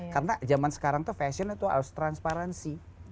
karena zaman sekarang tuh fashion harus transparansi